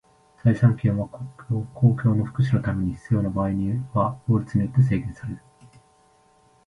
財産権は公共の福祉のために必要な場合には法律によって制限される。